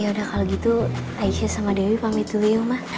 ya udah kalo gitu aisyah sama dewi pamit dulu yuma